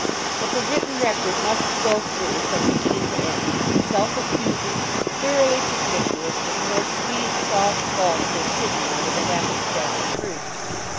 But the written record must go through from beginning to end, self accusing, thoroughly perspicuous, with no sweet, soft falsehoods hidden under the half expressed truth.